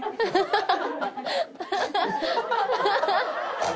ハハハハ！